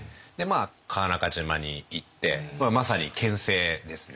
川中島に行ってまさにけん制ですね。